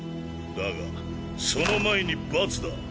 だがその前に罰だ。